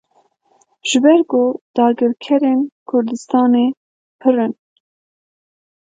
Ji ber ku dagirkerên Kurdistanê pir in.